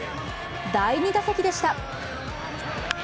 第２打席でした。